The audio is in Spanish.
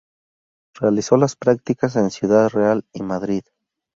Realizó las prácticas en Ciudad Real y Madrid.